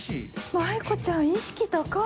舞子ちゃん意識高っ。